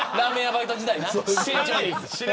バイト時代な。